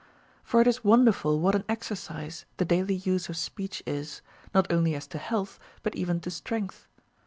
For it is Avonderful what an exercise the daily use of speech is, not only as to health but even to strength.